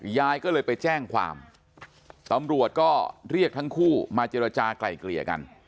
ยายก็เลยไปแจ้งความตำรวจก็เรียกทั้งคู่มาเจรจากลายเกลี่ยกัน